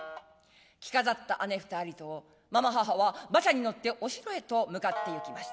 着飾った姉二人と継母は馬車に乗ってお城へと向かって行きました。